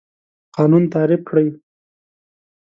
قانون تعریف کړئ.